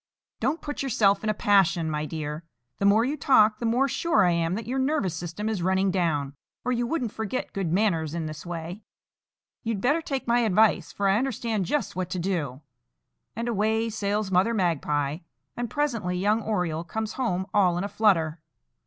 "Don't put yourself in a passion, my dear; the more you talk, the more sure I am that your nervous system is running down, or you wouldn't forget good manners in this way. You'd better take my advice, for I understand just what to do,"—and away sails Mother Magpie; and presently young Oriole comes home all in a flutter.